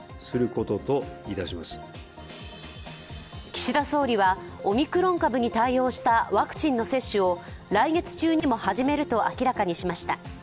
岸田総理は、オミクロン株に対応したワクチンの接種を来月中にも始めると明らかにしました。